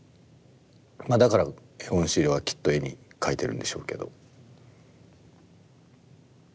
まあだからエゴン・シーレはきっと絵に描いてるんでしょうけど。